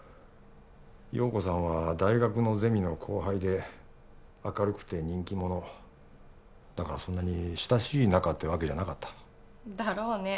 陽子さんは大学のゼミの後輩で明るくて人気者だからそんなに親しい仲ってわけじゃなかっただろうね